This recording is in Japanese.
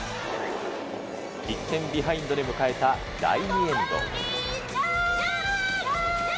１点ビハインドで迎えた第２エンド。